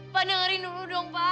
pa dengerin dulu dong pa